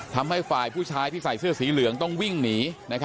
ทำให้ฝ่ายผู้ชายที่ใส่เสื้อสีเหลืองต้องวิ่งหนี